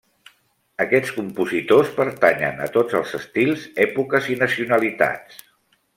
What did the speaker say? Aquests compositors pertanyen a tots els estils, èpoques i nacionalitats.